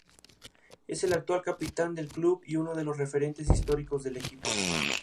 Es el actual capitán del club, y uno de los referentes históricos del equipo.